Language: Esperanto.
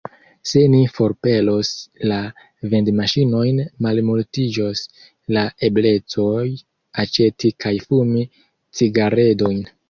Se ni forpelos la vendmaŝinojn, malmultiĝos la eblecoj aĉeti kaj fumi cigaredojn.